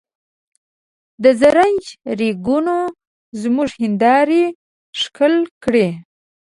د زرنج ریګونو زموږ هندارې ښکل کړې.